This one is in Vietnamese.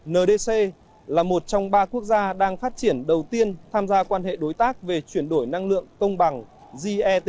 ndc là một trong ba quốc gia đang phát triển đầu tiên tham gia quan hệ đối tác về chuyển đổi năng lượng công bằng